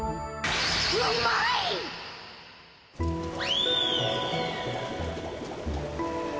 うまいっ！